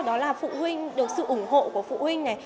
đó là phụ huynh được sự ủng hộ của phụ huynh này